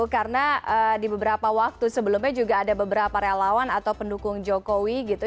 karena di beberapa waktu sebelumnya juga ada beberapa relawan atau pendukung jokowi gitu